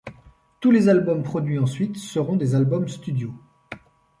Tous les albums produits ensuite seront des albums studio.